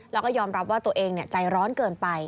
แล้วก็ยอมรับว่าตัวเองใจร้อนเกินไป